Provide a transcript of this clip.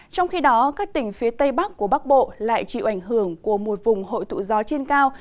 trong khi đó các tỉnh phía tây bắc của bắc bộ lại chịu ảnh hưởng của một vùng hội tụ gió trên cao